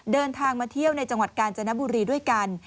เดินทางมาเที่ยวในจังหวัดกาญจนบุรีด้วยกัน